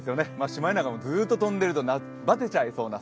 シマエナガもずっと飛んでるとバテちゃいそうな